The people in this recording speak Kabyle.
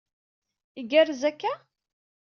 Igerrez akka?